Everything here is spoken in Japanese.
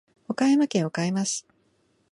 岡山県岡山市